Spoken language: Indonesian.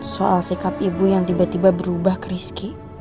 soal sikap ibu yang tiba tiba berubah ke rizky